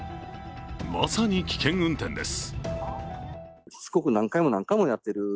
まさに危険運転です。